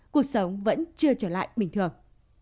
cuộc sống vẫn chưa trở lại bình thường